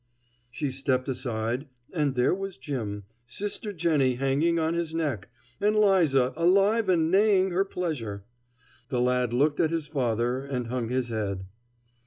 She stepped aside, and there was Jim, sister Jennie hanging on his neck, and 'Liza alive and neighing her pleasure. The lad looked at his father and hung his head.